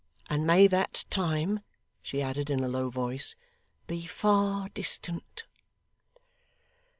And may that time,' she added in a low voice, 'be far distant!